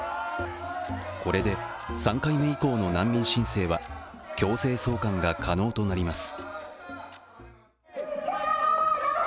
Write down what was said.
これで３回目以降の難民申請は強制送還が可能となります。